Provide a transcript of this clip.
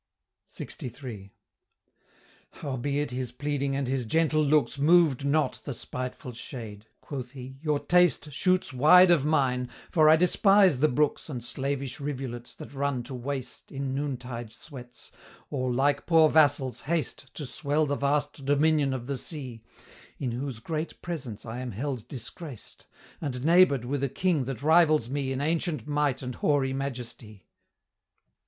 LXIII. Howbeit his pleading and his gentle looks Moved not the spiteful Shade: Quoth he, "Your taste Shoots wide of mine, for I despise the brooks And slavish rivulets that run to waste In noontide sweats, or, like poor vassals, haste To swell the vast dominion of the sea, In whose great presence I am held disgraced, And neighbor'd with a king that rivals me In ancient might and hoary majesty."